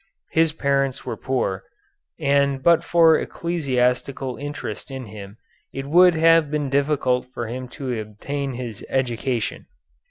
His parents were poor, and but for ecclesiastical interest in him it would have been difficult for him to obtain his education.